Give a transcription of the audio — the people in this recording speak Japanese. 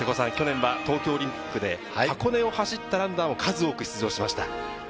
瀬古さん、去年は東京オリンピックで箱根を走ったランナーも数多く出場しました。